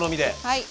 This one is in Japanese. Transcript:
はい。